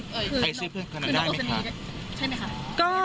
ใครชื่อเพื่อนคนนั้นได้มั้ยค่ะ